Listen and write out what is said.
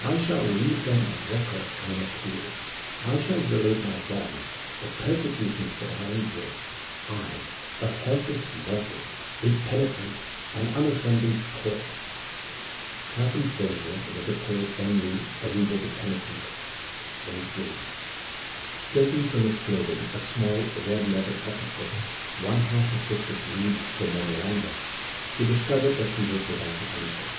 I shall leave them a record and an appeal. I shall relate my wrongs, the persecutions that I endure I, a helpless mortal, a penitent, an unoffending poet!' Halpin Frayser was a poet only as he was a penitent: in his dream. Taking from his clothing a small red leather pocket book one half of which was leaved for memoranda, he discovered that he was without a pencil.